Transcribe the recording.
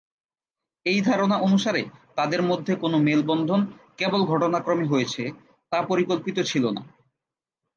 এই ধারণা অনুসারে তাদের মধ্যে কোন মেলবন্ধন কেবল ঘটনাক্রমে হয়েছে, তা পরিকল্পিত ছিলোনা।